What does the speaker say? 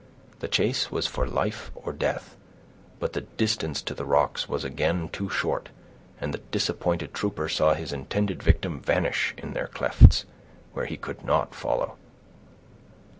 The chase was for life or death, but the distance to the rocks was again too short, and the disappointed trooper saw his intended victim vanish in their clefts, where he could not follow.